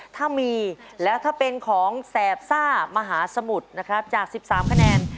ถ้ามีแล้วถ้าเป็นของแสบซ่ามหาสมุทรนะครับจาก๑๓คะแนน